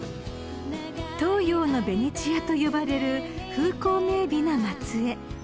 ［東洋のベネチアと呼ばれる風光明媚な松江］